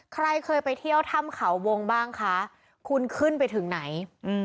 ใครเคยไปเที่ยวถ้ำเขาวงบ้างคะคุณขึ้นไปถึงไหน